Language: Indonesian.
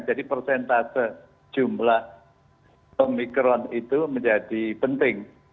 jadi persentase jumlah omikron itu menjadi penting